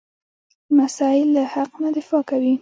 لمسی له حق نه دفاع کوي.